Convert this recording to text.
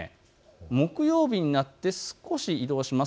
木曜日になって少し移動します。